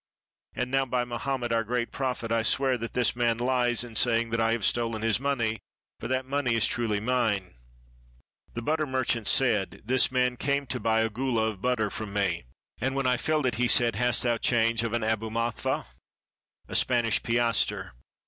And now, by Mohammed, our great Prophet, I swear that this man lies in saying that I have stolen his money, for that money is truly mine." The butter merchant said, "This man came to buy a goulla of butter from me, and when I had filled it he said, 'Hast thou change of an abumathfa [Spanish piaster]?'